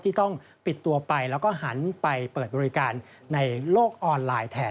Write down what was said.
ที่ต้องปิดตัวไปแล้วก็หันไปเปิดบริการในโลกออนไลน์แทน